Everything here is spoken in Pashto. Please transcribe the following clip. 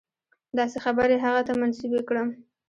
داسې خبرې هغه ته منسوبې کړم.